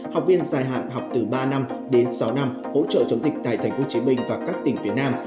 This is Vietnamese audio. học viên dài hạn học từ ba năm đến sáu năm hỗ trợ chống dịch tại tp hcm và các tỉnh phía nam